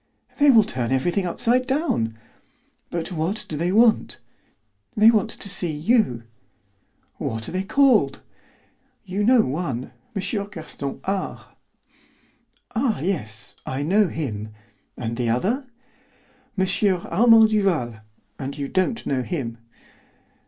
"They will turn everything upside down." "But what do they want?" "They want to see you." "What are they called?" "You know one, M. Gaston R." "Ah, yes, I know him. And the other?" "M. Armand Duval; and you don't know him."